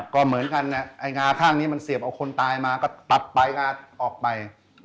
ก็เหมือนกันไอ้งาข้างนี้มันเสียบเอาคนตายมาก็ตัดไปงาออกไป